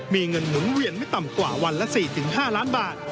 มีเงินหมุนเวียนไม่ต่ำกว่าวันละสี่ถึงห้าร้านบาท